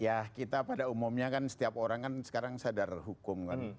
ya kita pada umumnya kan setiap orang kan sekarang sadar hukum kan